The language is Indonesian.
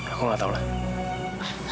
aku gak tau lah